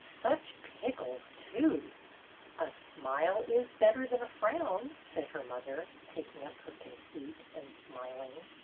Such pickles, too !" A smile is better than a frown," said her mother, taking up her conceit, and smiling.